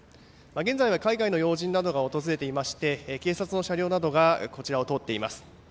現在は海外の要人などが訪れていまして警察の車両などがこちらを通っています。